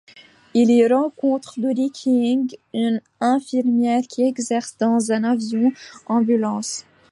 Il y rencontre Doris King une infirmière qui exerce dans un avion ambulance.